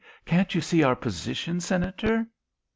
Can't you see our position, Senator?"